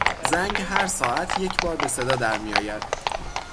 زنگ هر ساعت یکبار به صدا در میآید.